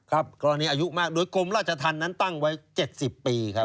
กรณีอายุมากโดยกรมราชธรรมนั้นตั้งไว้๗๐ปีครับ